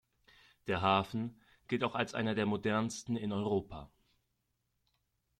Der Hafen gilt auch als einer der modernsten in Europa.